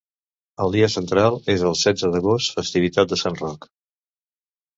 El dia central és el setze d'agost, festivitat de Sant Roc.